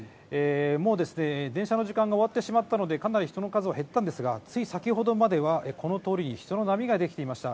もう電車の時間が終わってしまったので、かなり人の数は減ったんですが、つい先程まではこの通りに人の波ができていました。